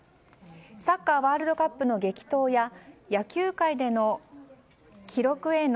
サッカー、ワールドカップの激闘や野球界での記録への